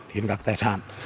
hiến các tài sản